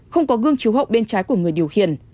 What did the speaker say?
không có gương chú hậu bên trái của người điều khiển